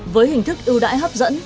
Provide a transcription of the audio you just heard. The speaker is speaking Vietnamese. với hình thức ưu đãi hấp dẫn